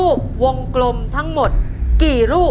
คุณยายแจ้วเลือกตอบจังหวัดนครราชสีมานะครับ